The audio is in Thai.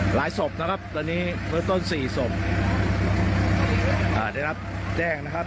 ศพนะครับตอนนี้เบื้องต้นสี่ศพอ่าได้รับแจ้งนะครับ